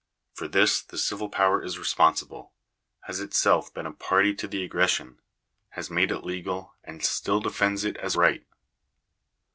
For this tbe civil power is responsible — has itself been a party to the aggression — has made it legal, and still defends it as right.